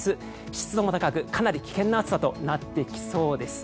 湿度も高くかなり危険な暑さとなってきそうです。